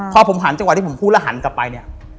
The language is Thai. พอผมหันจังหวะที่ผมพูดแล้วหันกลับไปเนี่ย